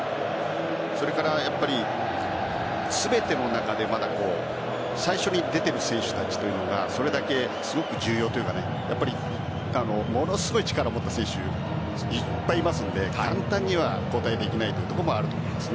それから全ての中でまだ最初に出ている選手たちというのがそれだけすごく重要というかものすごい力をもった選手いっぱいいますので簡単には交代できないというところもあると思います。